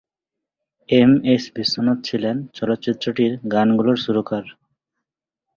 M S Viswanath ছিলেন চলচ্চিত্রটির গানগুলোর সুরকার।